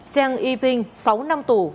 seng y binh sáu năm tù